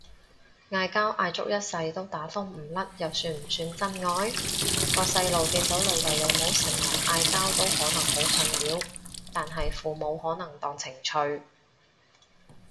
嗌交嗌足一世都打風唔甩又算唔算真愛？個細路見到老豆老母成日嗌交都可能好困擾，但係父母可能當情趣